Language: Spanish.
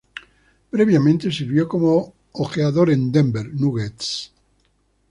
Previamente, sirvió como ojeador en Denver Nuggets.